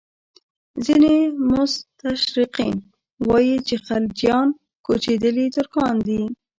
ځینې مستشرقین وایي چې خلجیان کوچېدلي ترکان دي.